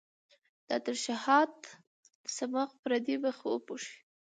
دا ترشحات د صماخ پردې مخ وپوښي.